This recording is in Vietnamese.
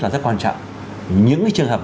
là rất quan trọng những cái trường hợp